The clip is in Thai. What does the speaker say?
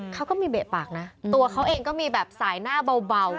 เขาก็มีเบะปากนะตัวเขาเองก็มีแบบสายหน้าเบา